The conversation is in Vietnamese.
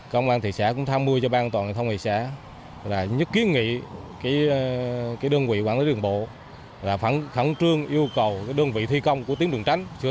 công an thị xã cũng tham mưu cho ban an toàn giao thông thị xã